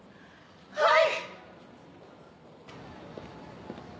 はい！